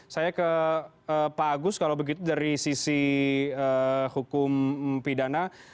saya ke pak agus kalau begitu dari sisi hukum pidana